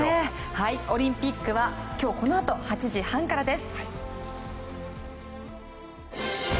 オリンピックは今日このあと８時半からです。